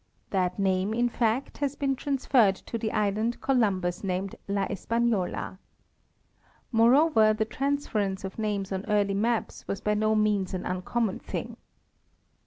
That name, in fact, has been transferred to the island Columbus named la Espafiola. Moreover, the transference of names on early maps was by no means an uncommon thing.